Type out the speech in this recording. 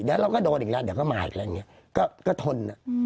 เดี๋ยวเราก็โดนอีกแล้วเดี๋ยวก็มาอีกแล้วอย่างนี้ก็ทน